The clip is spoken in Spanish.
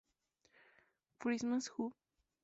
Christmas Who?